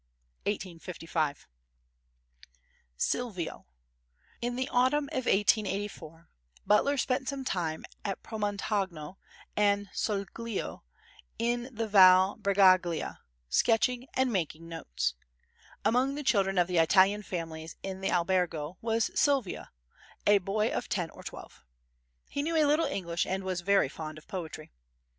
[1885.] Silvio In the autumn of 1884, Butler spent some time at Promontogno and Soglio in the Val Bregaglia, sketching and making notes. Among the children of the Italian families in the albergo was Silvio, a boy of ten or twelve. He knew a little English and was very fond of poetry.